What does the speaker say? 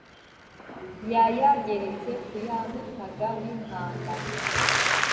yayageretse ku ya mutaga w'i nkanda